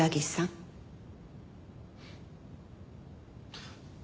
フッ。